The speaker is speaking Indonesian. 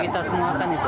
kelebihan muatan itu